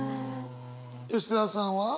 吉澤さんは？